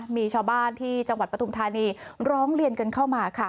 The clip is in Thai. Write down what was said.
มีชาวบ้านที่จังหวัดปฐุมธานีร้องเรียนกันเข้ามาค่ะ